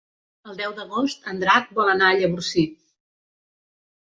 El deu d'agost en Drac vol anar a Llavorsí.